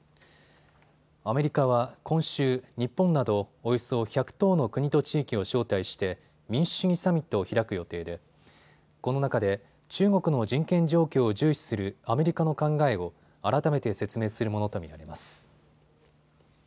アメリカは今週、日本などおよそ１１０の国と地域を招待して民主主義サミットを開く予定でこの中で中国の人権状況を重視するアメリカの考えを改めて説明するものと見られます。